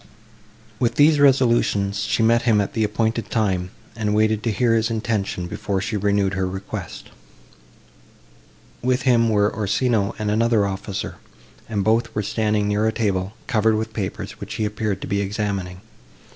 With these resolutions she met him at the appointed time, and waited to hear his intention before she renewed her request. With him were Orsino and another officer, and both were standing near a table, covered with papers, which he appeared to be examining.